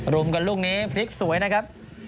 รุมกันลูกนี้พลิกสวยนะครับ